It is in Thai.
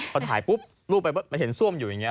พอถ่ายปุ๊บรูปไปมันเห็นซ่วมอยู่อย่างนี้